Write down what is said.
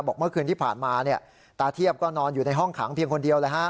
เมื่อคืนที่ผ่านมาตาเทียบก็นอนอยู่ในห้องขังเพียงคนเดียว